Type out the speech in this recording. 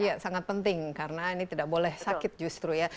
iya sangat penting karena ini tidak boleh sakit justru ya